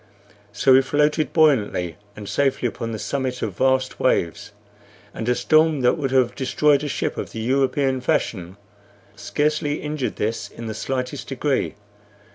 So we floated buoyantly and safely upon the summit of vast waves, and a storm that would have destroyed a ship of the European fashion scarcely injured this in the slightest degree.